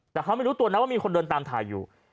แต่เขาไม่รู้ตัวนะว่ามีคนเดินตามถ่ายอยู่